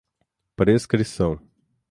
prescrição